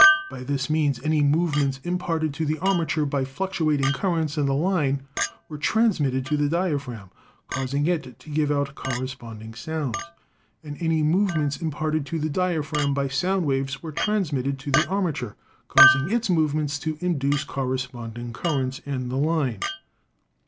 By this means any movements imparted to the armature by fluctuating currents in the line were transmitted to the diaphragm, causing it to give out corresponding sounds; and any movements imparted to the diaphragm by sound waves were transmitted to the armature, causing its movements to induce corresponding currents in the line.